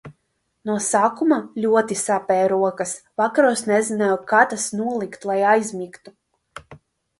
No sākuma ļoti sāpēja rokas, vakaros nezināju, kā tās nolikt, lai aizmigtu.